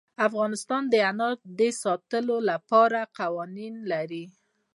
افغانستان د انار د ساتنې لپاره قوانین لري.